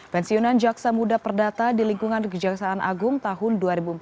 pensiunan jaksa muda perdata di lingkungan kejaksaan agung tahun dua ribu empat belas